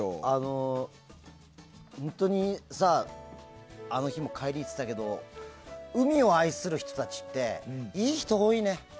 本当にあの日も帰り言ってたけど海を愛する人たちっていい人多いね。